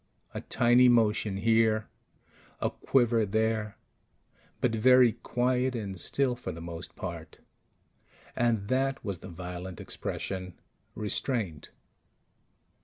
A tiny motion here, a quiver there, but very quiet and still for the most part. And that was the violent expression: restraint.